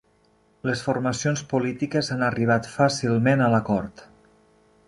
Les formacions polítiques han arribat fàcilment a l'acord